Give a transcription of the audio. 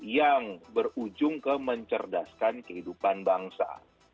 yang berujung ke mencerdaskan kehidupan bangsa